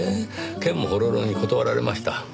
けんもほろろに断られました。